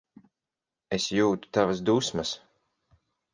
Es jūtu tavas dusmas.